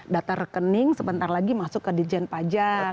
data rekening sebentar lagi masuk ke dijen pajak